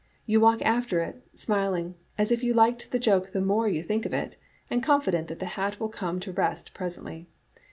You walk after it, smiling, as if you liked the joke the more you think of it, and confident that the hat will come to rest presently.